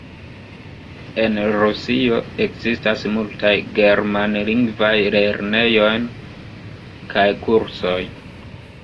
En Rusio ekzistas multaj germanlingvaj lernejoj kaj kursoj.